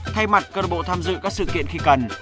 thay mặt club tham dự các sự kiện khi cần